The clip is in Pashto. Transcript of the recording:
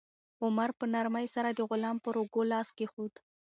عمر په نرمۍ سره د غلام پر اوږه لاس کېښود.